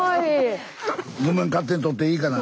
勝手に取っていいかな？